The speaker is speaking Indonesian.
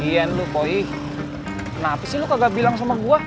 lagian lu boy kenapa sih lu kagak bilang sama aku